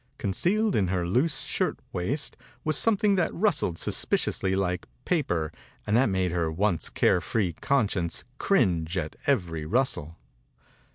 Concealed in her loose shirt waist was something that rustled lOI THE INCXJBAYOR BABY suspiciously like paper and that made her once care free con science cringe at every rustle.